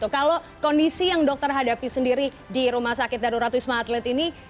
kalau kondisi yang dokter hadapi sendiri di rumah sakit darurat wisma atlet ini